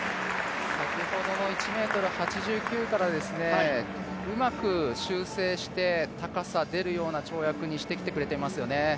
先ほどの１ｍ８９からうまく修正して、高さ出るような跳躍にしてきてくれてますよね。